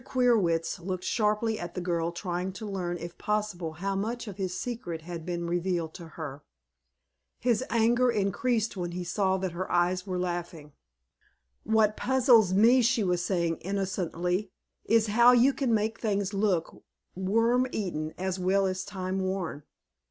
Queerwitz looked sharply at the girl, trying to learn, if possible, how much of his secret had been revealed to her. His anger increased when he saw that her eyes were laughing. "What puzzles me," she was saying, innocently, "is how you can make things look worm eaten as well as time worn."